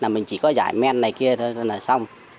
là mình chỉ có giải men này kia thôi là xong